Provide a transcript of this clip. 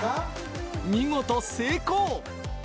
見事成功。